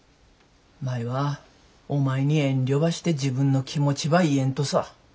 舞はお前に遠慮ばして自分の気持ちば言えんとさ。